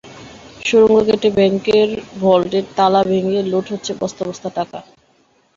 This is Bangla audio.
সুড়ঙ্গ কেটে ব্যাংকের ভল্টের তালা ভেঙে লুট হচ্ছে বস্তা বস্তা টাকা।